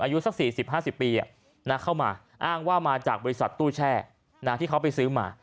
อายุสัก๔๐๕๐ปีเข้ามาอ้างว่ามาจากบริษัทตู้แช่ที่เขาไปซื้อมา